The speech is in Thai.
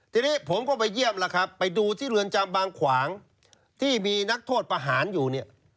ทีนี้ผมก็ไปเยี่ยมแล้วครับไปดูที่เรือนจำบางขวางที่มีนักโทษประหารอยู่เนี่ย